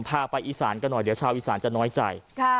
พาไปอีสานกันหน่อยเดี๋ยวชาวอีสานจะน้อยใจ